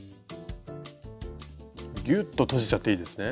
ギュッと閉じちゃっていいですね？